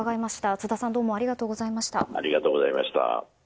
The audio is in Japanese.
津田さんどうもありがとうございました。